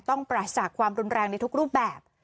ต้องประสาทความรุนแรงในทุกรูปแบบ